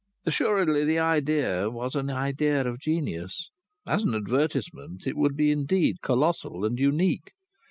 Assuredly the idea was an idea of genius. As an advertisement it would be indeed colossal and unique.